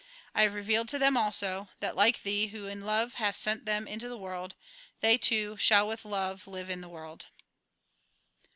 I have revealed to them also, that, like Thee, who in love hast sent them into the world, they, too, shall with love live in the world."